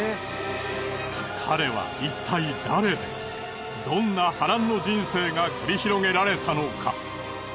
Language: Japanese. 彼はいったい誰でどんな波乱の人生が繰り広げられたのか？